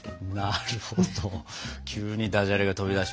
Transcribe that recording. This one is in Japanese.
なるほど急にダジャレが飛び出しましたけども。